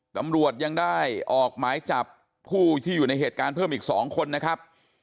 ตำรวจยังได้ออกหมายจับผู้ที่อยู่ในเหตุการณ์เพิ่มอีก๒คนนะครับ